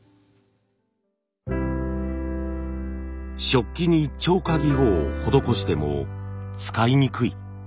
食器に貼花技法を施しても使いにくい。